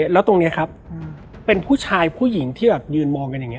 แล้วตรงนี้ครับเป็นผู้ชายผู้หญิงที่แบบยืนมองกันอย่างนี้